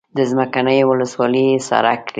د څمکنیو ولسوالي حصارک کلی.